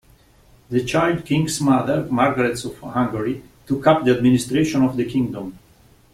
The child king's mother, Margaret of Hungary, took up the administration of the kingdom.